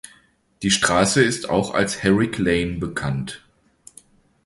Die Straße ist auch als Herrick Lane bekannt.